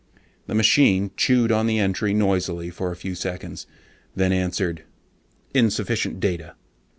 The machine chewed on the entry noisily for a few seconds, then answered: INSUFFICIENT DATA.